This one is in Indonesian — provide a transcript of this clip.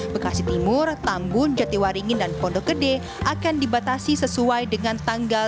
bekasi timur tambun jatiwaringin dan pondok gede akan dibatasi sesuai dengan tanggal